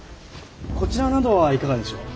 こちらなどはいかがでしょう？